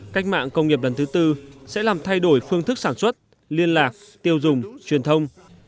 cách mạng công nghiệp lần thứ tư sẽ làm thay đổi phương thức sản xuất liên lạc tiêu dùng truyền thông